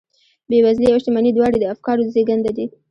بېوزلي او شتمني دواړې د افکارو زېږنده دي